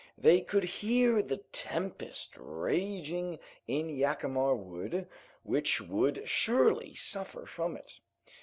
They could hear the tempest raging in Jacamar Wood, which would surely suffer from it.